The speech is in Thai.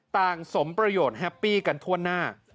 สมประโยชน์แฮปปี้กันทั่วหน้า